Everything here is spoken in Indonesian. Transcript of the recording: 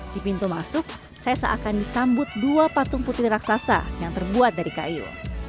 di pintu masuk saya seakan disambut dua patung putri raksasa yang terbuat dari kayu